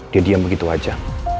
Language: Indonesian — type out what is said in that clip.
dia diam begitu aja